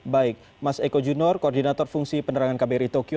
baik mas eko junor koordinator fungsi penerangan kbri tokyo